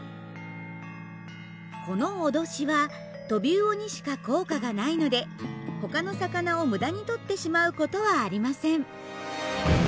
この脅しはトビウオにしか効果がないのでほかの魚を無駄に取ってしまうことはありません。